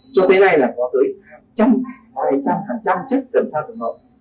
cho đến nay là có tới hàng trăm hai trăm hàng trăm chất cần sạc tổn thương